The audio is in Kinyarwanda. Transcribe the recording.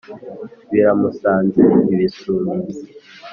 Biramusanze ibisumizi